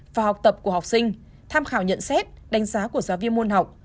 và học tập của học sinh tham khảo nhận xét đánh giá của giáo viên môn học